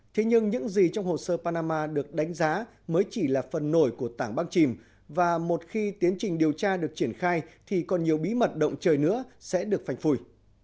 thế nhưng những gì trong hồ sơ panama được đánh giá mới chỉ là phần nổi của tảng băng chìm và một khi tiến trình điều tra được triển khai thì còn nhiều bí mật động trời nữa sẽ được phanh phui